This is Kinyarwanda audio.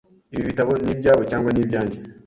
Ibi bitabo ni ibyawe cyangwa ni ibyanjye?